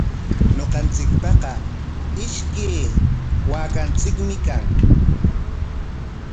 Ñuqanchikpaqa ishkay waakanchikmi kan.